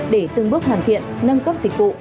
để từng bước hoàn thiện nâng cấp dịch vụ